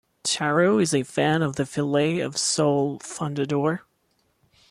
Charo is a fan of the filet of sole fundador.